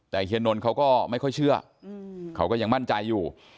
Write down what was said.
แต่เฮียนนท์เขาก็ไม่ค่อยเชื่อเขาก็ยังมั่นใจอยู่